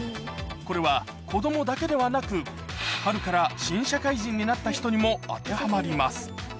これは子供だけではなく春から新社会人になった人にも当てはまります